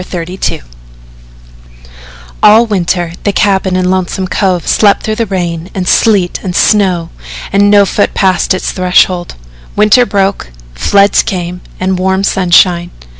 XXXII All winter the cabin in Lonesome Cove slept through rain and sleet and snow, and no foot passed its threshold. Winter broke, floods came and warm sunshine.